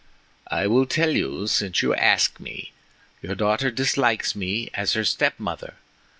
"I will tell you since you ask me. Your daughter dislikes me as her step mother.